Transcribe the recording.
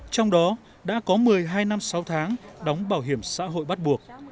trong đó đã có một mươi hai năm sáu tháng đóng bảo hiểm xã hội bắt buộc